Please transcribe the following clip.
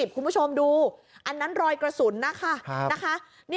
คุณผู้ชมดูอันนั้นรอยกระสุนนะคะ